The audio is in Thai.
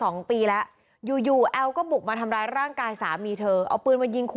นี่มาอีก